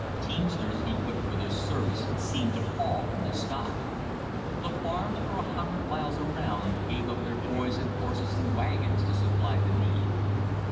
Teamsters equipped for this service seemed to fall from the sky. The farms for a hundred miles around gave up their boys and horses and wagons to supply the need.